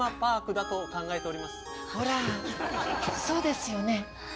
そうですよね。